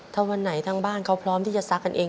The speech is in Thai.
ถ้าวันไหนทั้งบ้านเขาพร้อมที่จะซักกันเอง